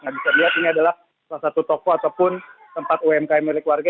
nah bisa dilihat ini adalah salah satu toko ataupun tempat umkm milik warga